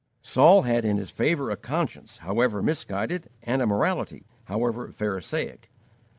Saul had in his favor a conscience, however misguided, and a morality, however pharisaic.